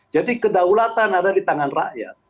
jadi kedaulatan ada di tangan rakyat